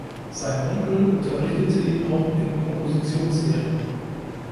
Sein Onkel unterrichtete ihn auch in Kompositionslehre.